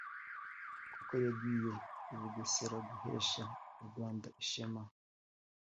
kuko yagiye i Bugesera guhesha u Rwanda ishema